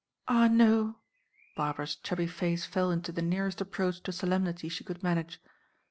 "Ah, no!" Barbara's chubby face fell into the nearest approach to solemnity she could manage.